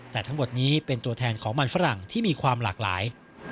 แต่ทั้งหมดนี้เป็นตัวแทนของมันฝรั่งที่มีความหลากหลาย